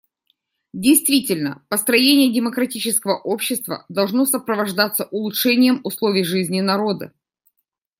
Действительно, построение демократического общества должно сопровождаться улучшением условий жизни народа.